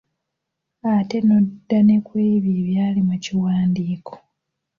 Ate n'odda ne ku ebyo ebyali mu kiwandiko.